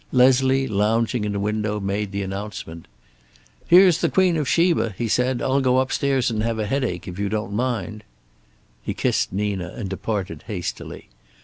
Leslie, lounging in a window, made the announcement. "Here's the Queen of Sheba," he said. "I'll go upstairs and have a headache, if you don't mind." He kissed Nina and departed hastily.